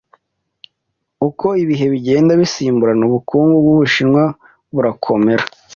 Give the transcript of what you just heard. Uko ibihe bigenda bisimburana, ubukungu bw’Ubushinwa burakomera.